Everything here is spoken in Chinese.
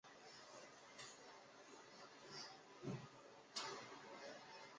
朱一冯攻剿红夷刻石的历史年代为明。